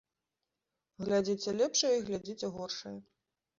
Глядзіце лепшае і глядзіце горшае.